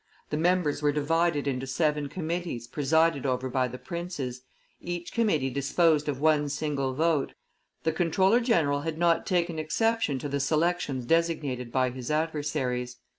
The members were divided into seven committees presided over by the princes; each committee disposed of one single vote; the comptroller general had not taken exception to the selections designated by his adversaries.